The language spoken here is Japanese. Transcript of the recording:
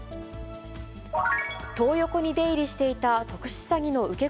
トー横に出入りしていた特殊詐欺の受け